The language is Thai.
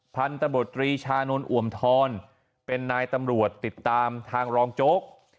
พันธุ์ตำรวจริชานลอวมทรเป็นนายตำรวจติดตามทางรองจก